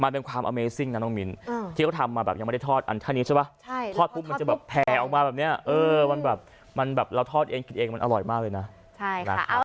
แผลออกมาแบบเนี้ยเออมันแบบมันแบบเราทอดเองกินเองมันอร่อยมากเลยนะใช่ค่ะ